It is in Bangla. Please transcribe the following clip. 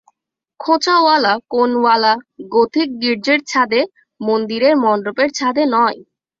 খোঁচাওয়ালা কোণওয়ালা গথিক গির্জের ছাঁদে, মন্দিরের মণ্ডপের ছাঁদে নয়।